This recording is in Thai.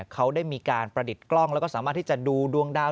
เขาได้มีการประดิษฐ์กล้องแล้วก็สามารถที่จะดูดวงดาว